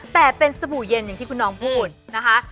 แต่เป็นสบู่เย็นอย่างที่คุณน้องพูดนะคะ